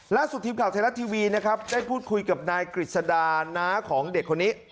ล่าสุดทีมข่าวไทยรัฐทีวีนะครับได้พูดคุยกับนายกฤษดาน้าของเด็กคนนี้